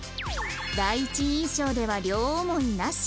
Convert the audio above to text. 第一印象では両思いなし